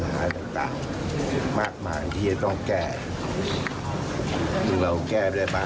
ความสงบก็เห็นนะครับ